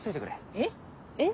えっ？えっ？